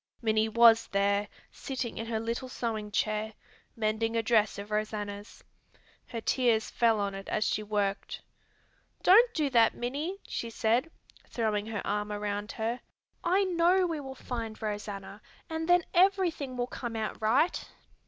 Minnie was there sitting in her little sewing chair, mending a dress of Rosanna's. Her tears fell on it as she worked. "Don't do that, Minnie!" she said, throwing her arm around her. "I know we will find Rosanna, and then everything will come out right."